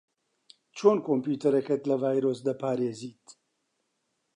چۆن کۆمپیوتەرەکەت لە ڤایرۆس دەپارێزیت؟